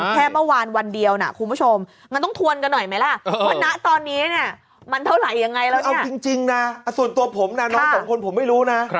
ส่วนตัวผมนะน้องสองคนผมไม่รู้นะ